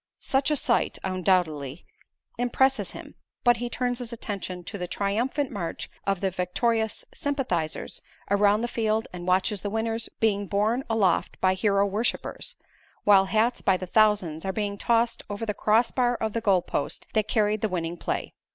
Such a sight, undoubtedly, impresses him; but he turns his attention to the triumphant march of the victorious sympathizers around the field and watches the winners being borne aloft by hero worshipers; while hats by the thousands are being tossed over the cross bar of the goal post that carried the winning play.